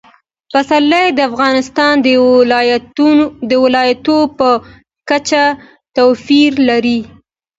پسرلی د افغانستان د ولایاتو په کچه توپیر لري.